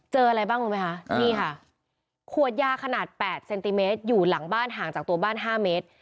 อะไรบ้างรู้ไหมคะนี่ค่ะขวดยาขนาด๘เซนติเมตรอยู่หลังบ้านห่างจากตัวบ้าน๕เมตร